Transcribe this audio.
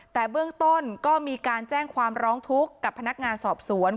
แต่เบื้องต้นก็มีการแจ้งความร้องทุกข์กับพนักงานสอบสวน